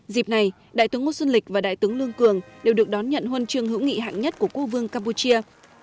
dịp này đại tướng ngô xuân lịch và đại tướng lương cường đều được đón nhận huân chương hữu nghị hạng nhất của quốc vương campuchia